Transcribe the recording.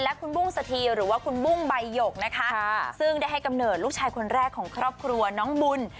และคุณบุ้งสถีหรือว่าคุณบุ้งใบหยกนะคะซึ่งได้ให้กำเนิดลูกชายคนแรกของครอบครัวน้องบุญ